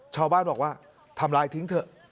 ชาวบ้านบอกว่าทำลายทิ้งเถอะ